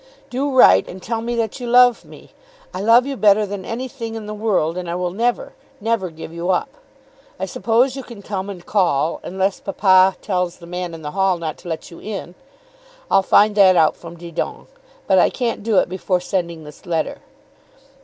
Do write and tell me that you love me. I love you better than anything in the world, and I will never, never give you up. I suppose you can come and call, unless papa tells the man in the hall not to let you in. I'll find that out from Didon, but I can't do it before sending this letter.